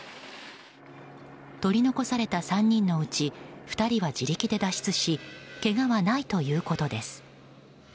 取り残された３人のうち２人は自力で脱出しけがはないということです。